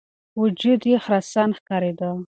وجود یې خرسن ښکارېده.